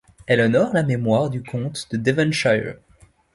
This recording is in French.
Elle honore la mémoire du comte de Devonshire.